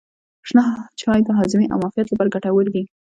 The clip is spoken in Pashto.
شنه چای د هاضمې او معافیت لپاره ګټور دی.